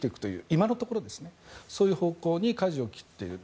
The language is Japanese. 今のところはそういう方向にかじを切っている。